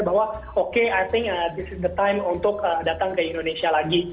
bisa meyakinkan justin bieber bahwa oke i think this is the time untuk datang ke indonesia lagi